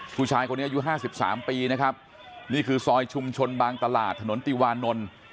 ผู้ชายคนนี้อายุ๕๓ปีนะครับนี่คือซอยชุมชนบางตลาดถนนติวานนท์